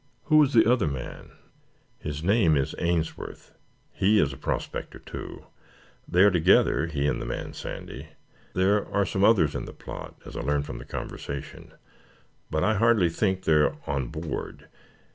Who was the other man?" "His name is Ainsworth. He is a prospector, too. They are together, he and the man Sandy. There are some others in the plot, as I learned from the conversation, but I hardly think they are on board.